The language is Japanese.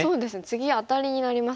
次アタリになりますもんね。